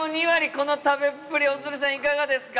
この食べっぷり大鶴さんいかがですか？